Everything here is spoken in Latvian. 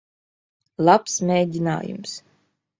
Labs mēģinājums.